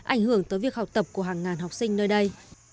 ảnh hưởng tới việc học tập của hàng ngàn học sinh nơi đây